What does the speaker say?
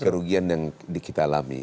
demi kerugian yang dikitalami